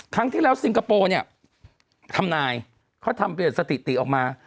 ครั้งที่แล้วซิงคโปร์เนี่ยทำนายเขาทำเปลี่ยนสถิติออกมา